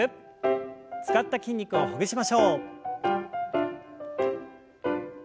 使った筋肉をほぐしましょう。